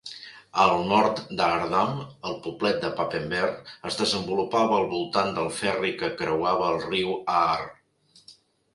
Al nord d'Aardam, el poblet de Papenveer es desenvolupava al voltant del ferri que creuava el riu Aar.